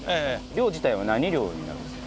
漁自体は何漁になるんですか？